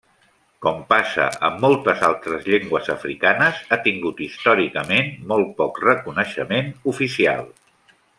Com passa amb moltes altres llengües africanes, ha tingut històricament molt poc reconeixement oficial.